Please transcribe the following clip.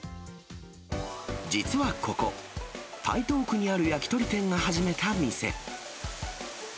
実はここ、台東区にある焼き鳥店が始めた店。